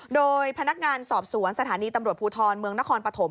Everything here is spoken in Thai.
โดยพนักงานสอบสวนสถานีตำรวจภูทรเมืองนครปฐม